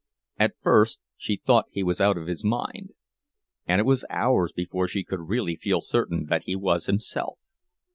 At first she thought he was out of his mind, and it was hours before she could really feel certain that he was himself.